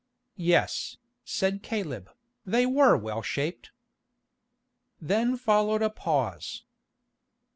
"Yes," said Caleb, "they were well shaped." Then followed a pause.